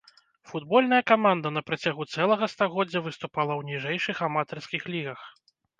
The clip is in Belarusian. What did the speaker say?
Футбольная каманда на працягу цэлага стагоддзя выступала ў ніжэйшых аматарскіх лігах.